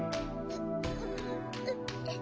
うっ。